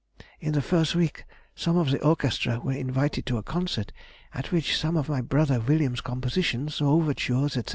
"In the first week some of the orchestra were invited to a concert, at which some of my brother William's compositions, overtures, &c.